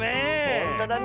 ほんとだね。